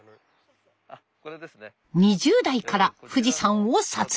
２０代から富士山を撮影。